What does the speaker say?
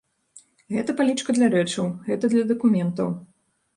Гэта палічка для рэчаў, гэта для дакументаў.